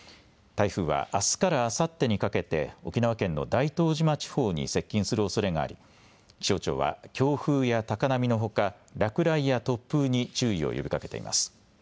台風はあすからあさってにかけて沖縄県のの大東島地方に接近するおそれがあり気象庁は強風や高波のほか落雷や突風に注意を呼びかけています。